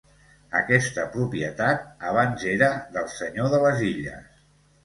Aquesta propietat abans era del Senyor de les illes.